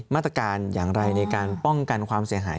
มาตรการอย่างไรในการป้องกันความเสียหาย